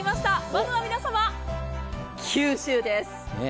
まずは九州です。